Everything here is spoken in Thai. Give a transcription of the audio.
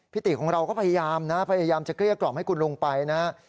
พิธีของเราก็พยายามนะพยายามจะเครียดกล่อมให้คุณลุงไปนะ